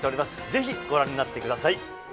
ぜひ、ご覧になってください。